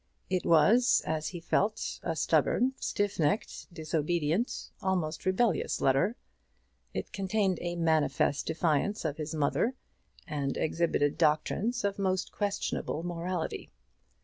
It was, as he felt, a stubborn, stiff necked, disobedient, almost rebellious letter. It contained a manifest defiance of his mother, and exhibited doctrines of most questionable morality.